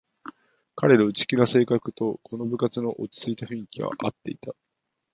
彼の内気な性格とこの部活の落ちついた雰囲気はあっていた